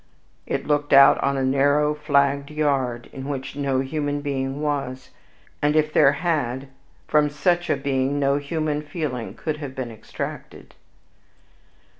It looked out on the narrow flagged yard, in which no human being was; and if there had, from such a being no human feeling could have been extracted.